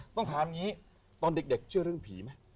ต้องถามอย่างนี้ตอนเด็กเชื่อเรื่องผีไหม